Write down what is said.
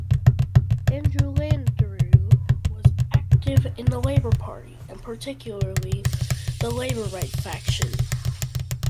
Andrew Landeryou was active in the Labor Party, and particularly the Labor Right faction.